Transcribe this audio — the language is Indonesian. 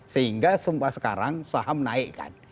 sehingga sempat sekarang saham naikkan